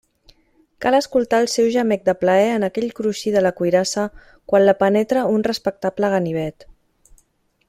Cal escoltar el seu gemec de plaer en aquell cruixir de la cuirassa quan la penetra un respectable ganivet.